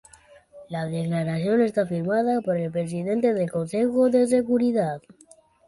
La declaración está firmada por el presidente del Consejo de Seguridad.